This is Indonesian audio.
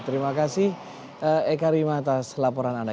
terima kasih eka rima atas laporan anda